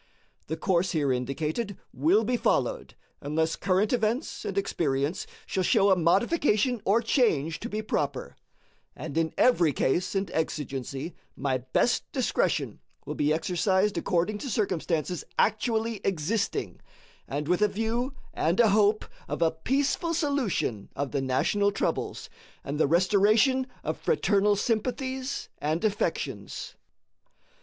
The course here indicated will be followed unless current events and experience shall show a modification or change to be proper, and in every case and exigency my best discretion will be exercised according to circumstances actually existing, and with a view and a hope of a peaceful solution of the national troubles and the restoration of fraternal sympathies and affections.